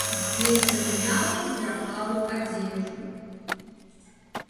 Вецер мяў і трапаў адзежу.